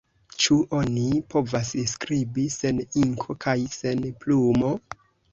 Ĉu oni povas skribi sen inko kaj sen plumo?